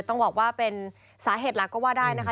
ต้องบอกว่าเป็นสาเหตุหลักก็ว่าได้นะคะ